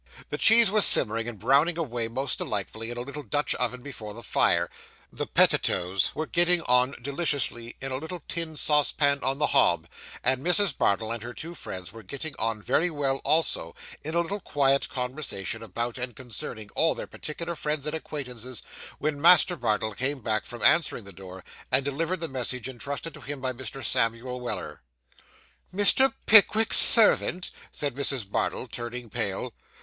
The cheese was simmering and browning away, most delightfully, in a little Dutch oven before the fire; the pettitoes were getting on deliciously in a little tin saucepan on the hob; and Mrs. Bardell and her two friends were getting on very well, also, in a little quiet conversation about and concerning all their particular friends and acquaintance; when Master Bardell came back from answering the door, and delivered the message intrusted to him by Mr. Samuel Weller. 'Mr. Pickwick's servant!' said Mrs. Bardell, turning pale.